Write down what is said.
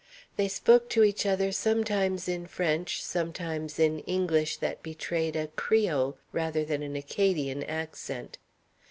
They spoke to each other sometimes in French, sometimes in English that betrayed a Creole rather than an Acadian accent.